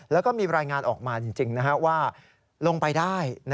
แล้วก็มีรายงานออกมาจริงว่าลงไปได้